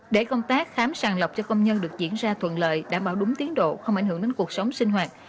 để công tác khám sàng lọc cho công nhân được diễn ra thuận lợi đảm bảo đúng tiến độ không ảnh hưởng đến cuộc sống sinh hoạt